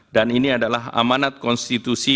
dan ini adalah amanat konstitusi